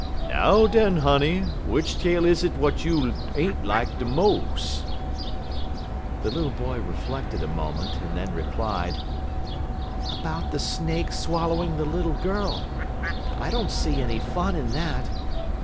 "Now, den, honey, w'ich tale is it w'at you ain't lak de mos'?" The little boy reflected a moment and then replied: "About the snake swallowing the little girl. I don't see any fun in that.